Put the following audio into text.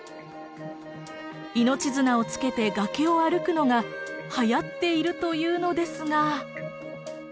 命綱をつけて崖を歩くのがはやっているというのですが。